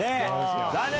残念。